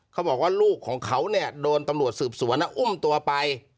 เขาบอกว่าลูกของเขาเนี่ยโดนตำรวจสืบสวนอุ้มตัวไป